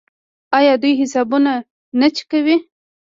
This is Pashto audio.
آیا دوی حسابونه نه چک کوي؟